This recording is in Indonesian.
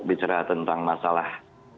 bicara tentang masalah